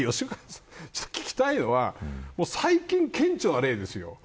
僕が聞きたいのは最近、顕著な例ですよ。